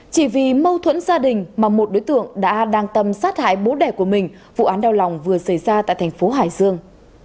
chỉ vì mâu thuẫn gia đình mà một đối tượng đã đang tâm sát hại bố đẻ của mình vụ án đau lòng vừa xảy ra tại thành phố hải dương